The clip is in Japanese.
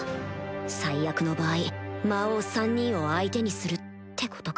最悪の場合魔王３人を相手にするってことか。